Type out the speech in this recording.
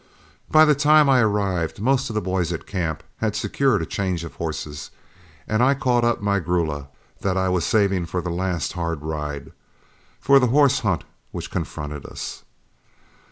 By the time I arrived, most of the boys at camp had secured a change of horses, and I caught up my grulla, that I was saving for the last hard ride, for the horse hunt which confronted us.